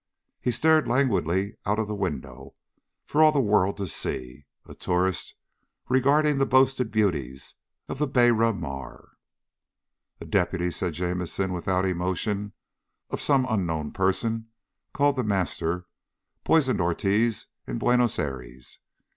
He stared languidly out of the window, for all the world to see. A tourist, regarding the boasted beauties of the Biera Mar. "A deputy," said Jamison without emotion, "of some unknown person called The Master poisoned Ortiz in Buenos Aires.